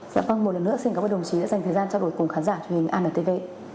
dạ vâng một lần nữa xin cảm ơn đồng chí đã dành thời gian trao đổi cùng khán giả truyền hình antv